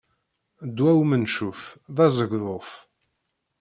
Ddwa umencuf d azegḍuf.